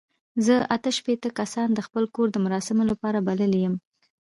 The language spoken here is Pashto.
زه اته شپېته کسان د خپل کور د مراسمو لپاره بللي یم.